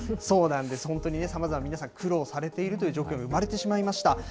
そうなんです、本当にさまざま皆さん、苦労されているという状況が生まれてしまいました。